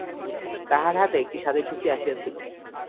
তাহার হাতে একটি স্বাধীন শক্তি আসিয়াছিল।